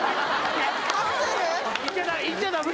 言っちゃダメ！